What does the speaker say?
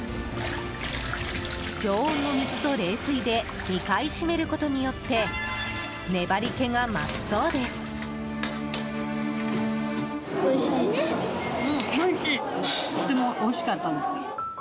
常温の水と冷水で２回締めることによって粘り気が増すそうです。